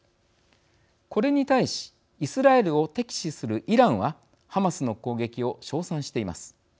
これに対しイスラエルを敵視するイランはハマスの攻撃を称賛しています。